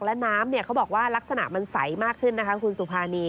และน้ำเนี่ยเขาบอกว่าลักษณะมันใสมากขึ้นนะคะคุณสุภานี